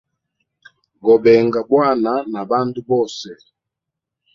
Gobenga bwana na bandu bose.